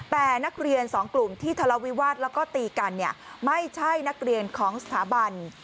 แต่นักเรียนสองกลุ่มที่ทะเลาวิวาสแล้วก็ตีกันเนี่ยไม่ใช่นักเรียนของสถาบัน